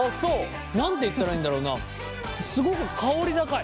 何て言ったらいいんだろうなすごく香り高い。